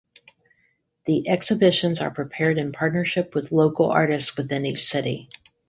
The exhibitions are prepared in partnership with local artists within each city.